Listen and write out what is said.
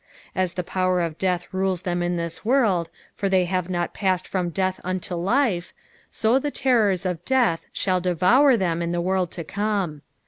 As the power of death rules them in this world, for they have not passed from death unto life, so the terrors of de(>th shall devour them in the world to come.